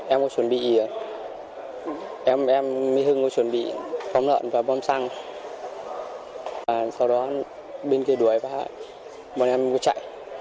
em có chuẩn bị em với hưng có chuẩn bị phóng lợn và bom xăng sau đó bên kia đuổi và bọn em có chạy